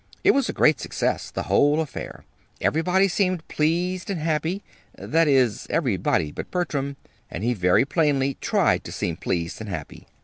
It was a great success, the whole affair. Everybody seemed pleased and happy that is, everybody but Bertram; and he very plainly tried to seem pleased and happy.